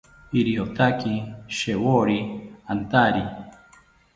Iriotaki shewori antari